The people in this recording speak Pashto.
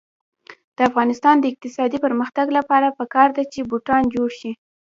د افغانستان د اقتصادي پرمختګ لپاره پکار ده چې بوټان جوړ شي.